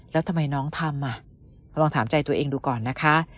แล้วทำไมน้องทำลองถามใจตัวเองดูก่อนนะคะ